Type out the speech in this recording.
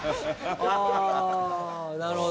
ああなるほど。